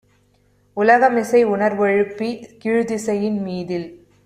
உலகமிசை உணர்வெழுப்பிக் கீழ்த்திசையின் மீதில்